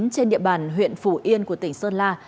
trên địa bàn huyện phủ yên của tỉnh sơn la